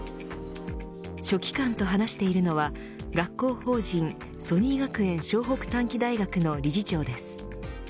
書記官と話しているのは学校法人ソニー学園湘北短期大学の理事長です。